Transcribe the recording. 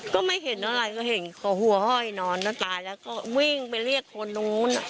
ก็ไม่เห็นอะไรก็เห็นเขาหัวห้อยนอนน้ำตาแล้วก็วิ่งไปเรียกคนนู้น